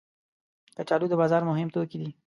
کچالو د بازار مهم توکي دي